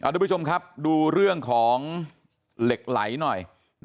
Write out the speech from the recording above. ทุกผู้ชมครับดูเรื่องของเหล็กไหลหน่อย